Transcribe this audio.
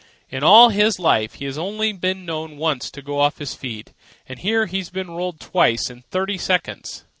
"In all his life he's only been known once to go off his feet, and here he's been rolled twice in thirty seconds."